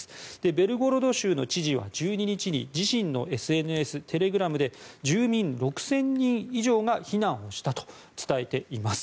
ベルゴロド州の知事は１２日に自身のＳＮＳ、テレグラムで住民６０００人以上が避難したと伝えています。